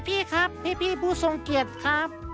พี่ครับพี่บูศงเกียจครับ